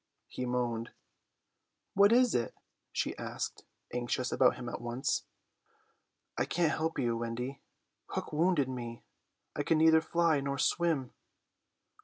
He moaned. "What is it?" she asked, anxious about him at once. "I can't help you, Wendy. Hook wounded me. I can neither fly nor swim."